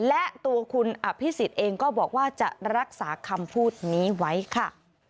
และตัวคุณอภิษฎเองก็บอกว่าจะรักษาคำพูดนี้ไว้ค่ะ